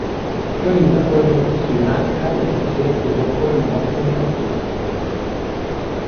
Fiorina corre in cucina e Carletto si rifugia ancora una volta in cantina.